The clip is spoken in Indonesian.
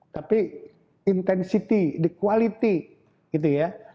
tapi intensitas kualitas gitu ya